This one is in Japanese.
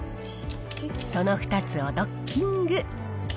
その２つをドッキング。